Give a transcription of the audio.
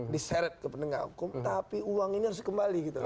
diseret ke penegak hukum tapi uang ini harus kembali gitu loh